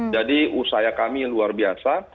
jadi usaya kami luar biasa